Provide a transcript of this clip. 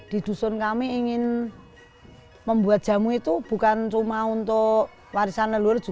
di dusun kami ingin membuat jamu itu bukan cuma untuk warisan leluhur